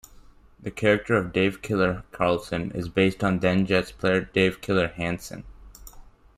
The character of "Dave 'Killer' Carlson" is based on then-Jets player Dave "Killer" Hanson.